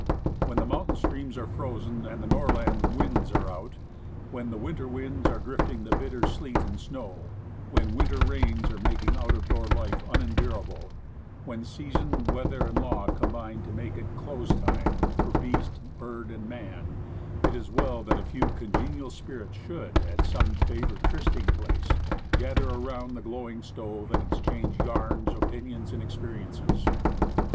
When the mountain streams are frozen and the Norland winds are out; when the winter winds are drifting the bitter sleet and snow; when winter rains are making out of door life unendurable; when season, weather and law, combine to make it "close time" for beast, bird and man, it is well that a few congenial spirits should, at 4 Woodcraft. some favorite trysting place, gather around the glowing stove and exchange yarns, opinions and experiences.